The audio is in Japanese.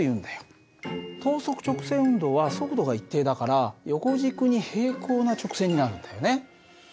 等速直線運動は速度が一定だから横軸に平行な直線になるんだよね。